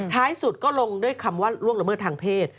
ท้ายสุดก็ลงด้วยคำว่าล่วงละเมิดทางเพศ